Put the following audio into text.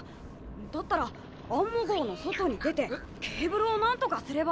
だったらアンモ号の外に出てケーブルをなんとかすれば。